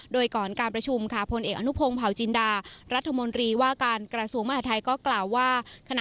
โดยก่อนการประชุมค่ะพลเอกอนุพงศ์เผาจินดารัฐมนตรีว่าการกระทรวงมหาทัยก็กล่าวว่า